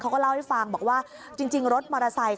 เขาก็เล่าให้ฟังบอกว่าจริงรถมอเตอร์ไซค์